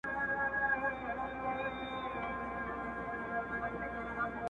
سل لكۍ په ځان پسې كړلې يو سري٫